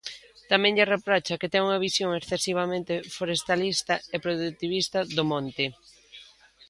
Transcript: Tamén lle reprocha que ten unha visión excesivamente forestalista e produtivista do monte.